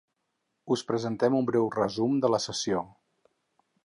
Us presentem un breu resum de la sessió.